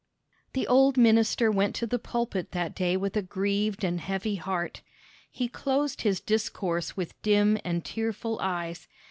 The old minister went to the pulpit that day with a grieved and heavy heart. He closed his discourse with dim and tearful eyes.